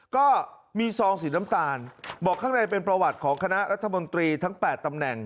ก็มีซองสีน้ำตาลบอกข้างในเป็นประวัติของคณะรัฐมนตรีทั้ง๘ตำแหน่ง